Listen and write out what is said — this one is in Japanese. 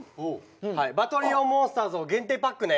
バトリオンモンスターズの限定パックね。